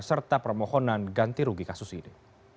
serta permohonan ganti rugi kasus ini